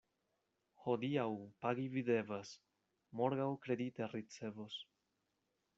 Hodiaŭ pagi vi devas, morgaŭ kredite ricevos.